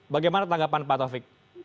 bagaimana tanggapan pak taufik